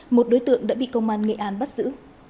một đối tượng đã bị công an nghệ an bắt giữ